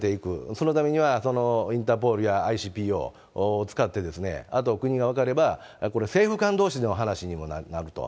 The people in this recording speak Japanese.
そのためにはインターポールやＩＣＰＯを使って、あと国が分かれば、これ、政府間どうしの話にもなると。